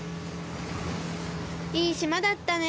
いいしまだったね。